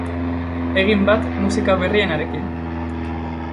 Egin bat musika berrienarekin!